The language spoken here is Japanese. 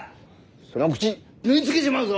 その口縫い付けちまうぞ！